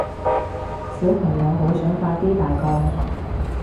小朋友好想快啲大個